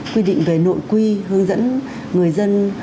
quy định về nội quy hướng dẫn người dân